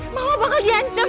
mama bakal diancem